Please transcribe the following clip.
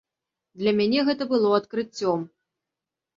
Для мяне гэта было адкрыццём.